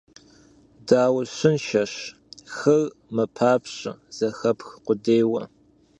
Даущыншэщ, хыр мэпапщэ, зэхэпх къудейуэ.